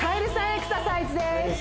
エクササイズです